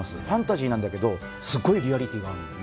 ファンタジーなんだけど、すっごいリアリティーなの。